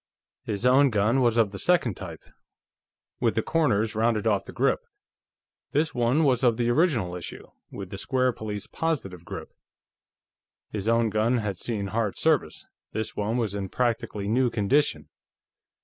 His own gun was of the second type, with the corners rounded off the grip; this one was of the original issue, with the square Police Positive grip. His own gun had seen hard service; this one was in practically new condition.